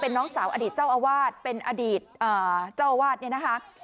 เป็นน้องสาวอดีตเจ้าอวาดเป็นอดีตอ่าเจ้าอวาดเนี่ยนะคะ